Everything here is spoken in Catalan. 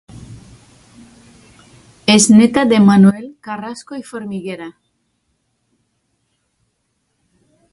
És néta de Manuel Carrasco i Formiguera.